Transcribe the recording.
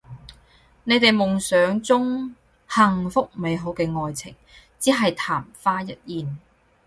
你哋夢想中幸福美好嘅愛情只係曇花一現